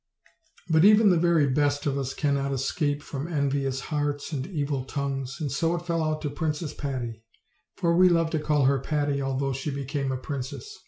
But even the very best of us cannot escape from envi ous hearts and evil tongues; and so it fell out to Princess Patty: for we love to call her Patty, although she became a princess.